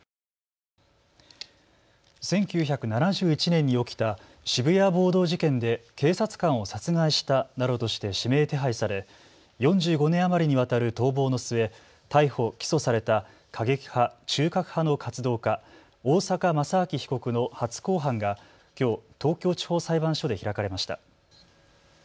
１９７１年に起きた渋谷暴動事件で警察官を殺害したなどとして指名手配され４５年余りにわたる逃亡の末、逮捕・起訴された過激派中核派の活動家、大坂正明被告の初公判がきょう東京地方裁判所で開かれました。